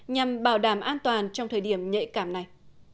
nhằm bảo đảm an toàn trong thời điểm nhạy cảm này